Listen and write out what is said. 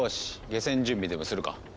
下船準備でもするか。